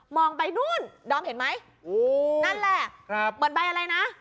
องไปนู่นดอมเห็นไหมนั่นแหละครับเหมือนใบอะไรนะ